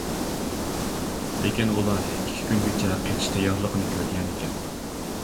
لېكىن ئۇلار ئىككى كۈنگىچە قېچىش تەييارلىقىنى كۆرگەنىكەن.